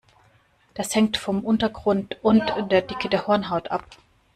Das hängt vom Untergrund und der Dicke der Hornhaut ab.